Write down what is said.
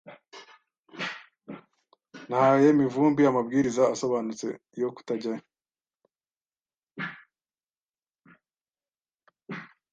Nahaye Mivumbi amabwiriza asobanutse yo kutajyayo.